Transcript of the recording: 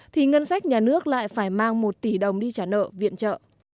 thì ngân sách nhà nước lại phải mang một tỷ đồng đi trả nợ viện trợ